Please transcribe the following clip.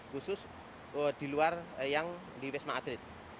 khusus di luar yang di wisma atlet